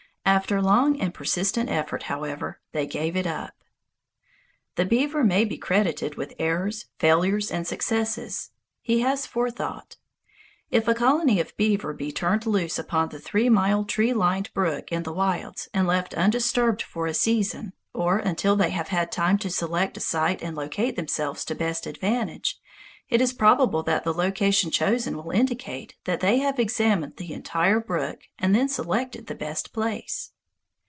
After long and persistent effort, however, they gave it up. The beaver may be credited with errors, failures, and successes. He has forethought. If a colony of beaver be turned loose upon a three mile tree lined brook in the wilds and left undisturbed for a season, or until they have had time to select a site and locate themselves to best advantage, it is probable that the location chosen will indicate that they have examined the entire brook and then selected the best place.